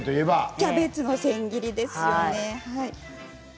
キャベツの千切りですね。